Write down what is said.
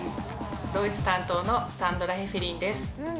ドイツ担当のサンドラ・ヘフェリンです。